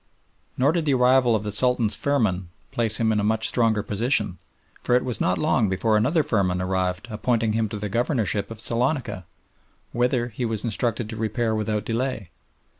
Nor did the arrival of the Sultan's firman place him in a much stronger position, for it was not long before another firman arrived appointing him to the Governorship of Salonica, whither he was instructed to repair without delay.